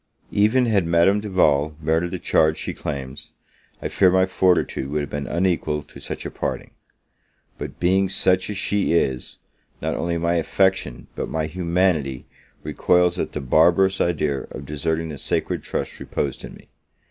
Even had Madame Duval merited the charge she claims, I fear my fortitude would have been unequal to such a parting; but being such as she is, not only my affection, but my humanity, recoils, at the barbarous idea of deserting the sacred trust reposed in me.